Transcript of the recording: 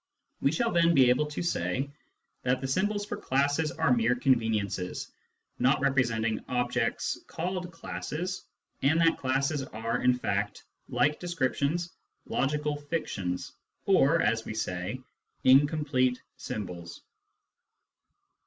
We shall then be able to say that the symbols for classes are mere conveniences, not representing objects called " classes," and that classes are in fact, like descrip tions, logical fictions, or (as we say) " incomplete symbols."